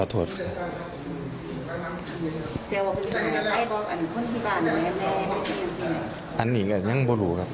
แต่อันนี้ยังไม่รู้ครับ